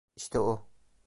İşte o…